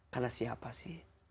karena siapa sih